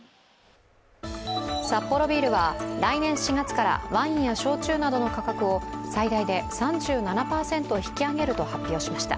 サッポロビールは来年４月からワインや焼酎などの価格を最大で３７％引き上げると発表しました。